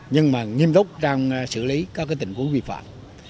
nhưng mà nghiêm túc trong xử lý các tình huống vi phạm